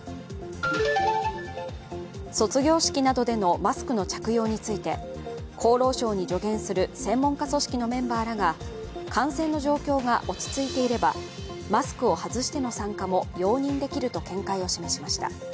卒業式などでのマスクの着用について厚労省に助言する専門家組織のメンバーらが感染の状況が落ち着いていればマスクを外しての参加も容認できると見解を示しました。